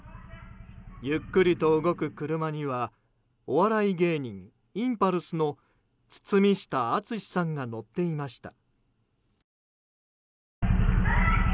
ゆっくりと動く車にはお笑い芸人インパルスの堤下敦さんが乗っていました。